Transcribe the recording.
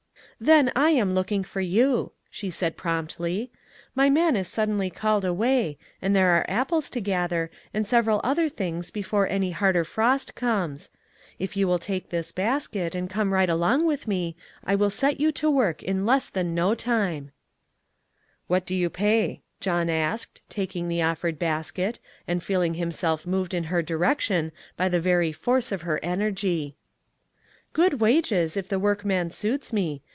" Then I am looking for you," she said promptly, "my man is suddenly called away, and there are apples to gather, and sev eral other things before any harder frost comes. If you will take this basket and come right along with me, I will set you to work in less than no time." SILKEN COILS. 2 1/ " What do you pay ?" John asked, talcing the offered basket, and feeling himself moved in her direction by the very force of her energy. " Good . wages if the workman suits me.